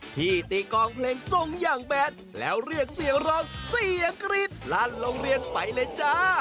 ที่ตีกองเพลงทรงอย่างแบนแล้วเรียกเสียงร้องเสียงกรี๊ดลั่นโรงเรียนไปเลยจ้า